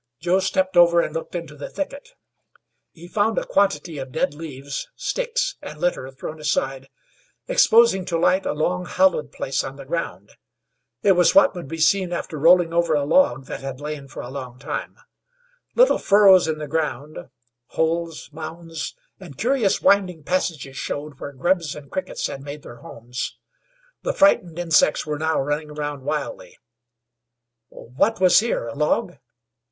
Joe stepped over and looked into the thicket. He found a quantity of dead leaves, sticks, and litter thrown aside, exposing to light a long, hollowed place on the ground. It was what would be seen after rolling over a log that had lain for a long time. Little furrows in the ground, holes, mounds, and curious winding passages showed where grubs and crickets had made their homes. The frightened insects were now running round wildly. "What was here? A log?"